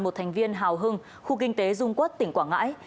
một thành viên hào hưng khu kinh tế dung quốc tỉnh quảng ngãi